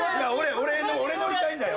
俺俺乗りたいんだよ。